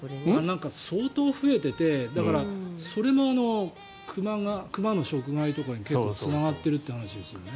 相当増えていてそれも熊の食害とかに結構、つながっているっていう話ですよね。